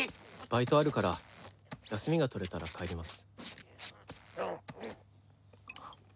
バイトあるから休みが取れたら帰ります。